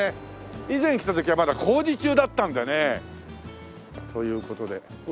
以前来た時はまだ工事中だったんでね。という事でうわ